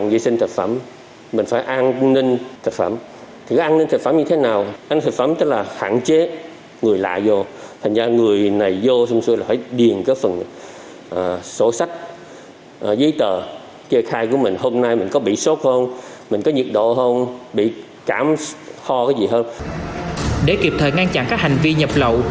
để kịp thời ngăn chặn các hành vi nhập lậu